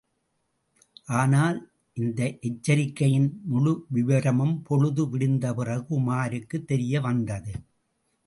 ஆனால், இந்த எச்சரிக்கையின் முழுவிவரமும் பொழுது விடிந்த பிறகு உமாருக்குத் தெரியவந்தது.